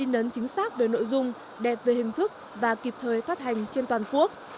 in ấn chính xác về nội dung đẹp về hình thức và kịp thời phát hành trên toàn quốc